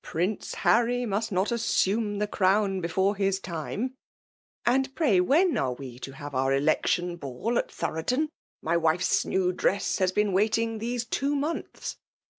Prince Harry must not assume the crown before his time ! And pray^ when i^e we to have our election ball at Tltoroten ? My wife*8 new dress has been waiting these two months."